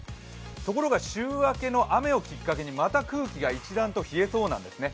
ところが週明けの雨をきっかけにまた空気が一段と冷えそうなんですね。